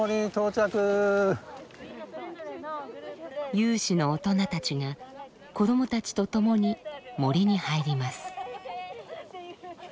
有志の大人たちが子どもたちと共に森に入ります。